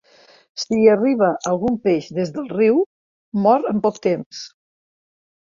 Si hi arriba algun peix des del riu, mor en poc temps.